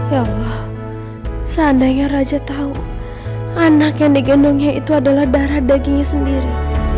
ya allah seandainya raja tahu anak yang digendongnya itu adalah darah dagingnya sendiri